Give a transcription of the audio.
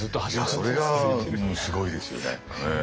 それがすごいですよね。